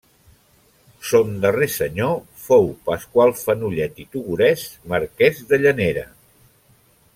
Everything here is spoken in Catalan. Son darrer senyor fou Pasqual Fenollet i Togores, marquès de Llanera.